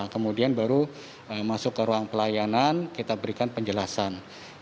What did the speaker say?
kemudian baru masuk ke ruang pelayanan kita berikan penjelasan